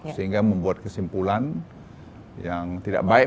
sehingga membuat kesimpulan yang tidak baik